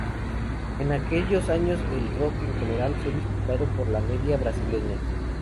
En aquellos años el rock en general fue disuadido por la media brasileña.